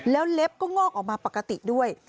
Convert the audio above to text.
แล้วเล็บก็งอกออกมาปกติด้วย